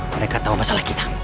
mereka tau masalah kita